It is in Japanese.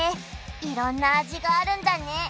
いろんな味があるんだね